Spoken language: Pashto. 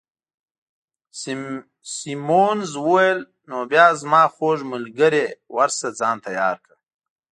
سیمونز وویل: نو بیا زما خوږ ملګرې، ورشه ځان تیار کړه.